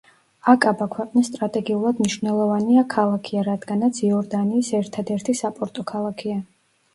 აკაბა ქვეყნის სტრატეგიულად მნიშვნელოვანია ქალაქია, რადგანაც, იორდანიის ერთადერთი საპორტო ქალაქია.